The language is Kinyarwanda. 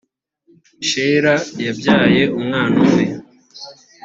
shela yabyaye umwana umwe.